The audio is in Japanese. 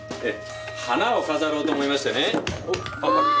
花を飾ろうと思いましてね。